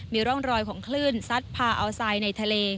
มีร่องรอยของคลื่นซัดพาอัลไซด์ในทะเล